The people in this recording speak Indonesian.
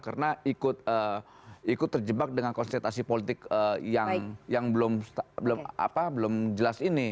karena ikut terjebak dengan konsentrasi politik yang belum jelas ini